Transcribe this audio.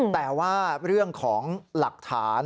แต่ว่าเรื่องของหลักฐาน